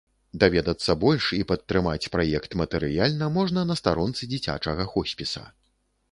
Даведацца больш і падтрымаць праект матэрыяльна можна на старонцы дзіцячага хоспіса.